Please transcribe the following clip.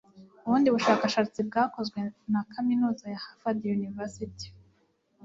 Ubundi bushakashatsi bwakozwe na Kaminuza ya Harvard University